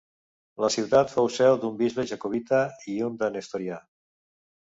La ciutat fou seu d'un bisbe jacobita i un de nestorià.